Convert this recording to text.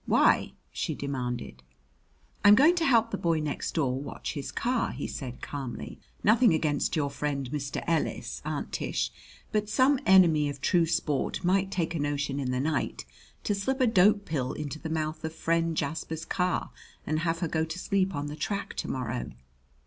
"Why?" she demanded. "I'm going to help the boy next door watch his car," he said calmly. "Nothing against your friend Mr. Ellis, Aunt Tish, but some enemy of true sport might take a notion in the night to slip a dope pill into the mouth of friend Jasper's car and have her go to sleep on the track to morrow."